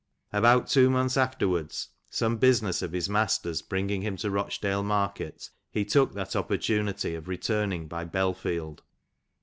" About two months afterwards, some business of his master's bringing him to Itochdale market, he took that opportunity of returning by Belfield.